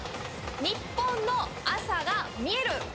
「ニッポンの朝がみえる。」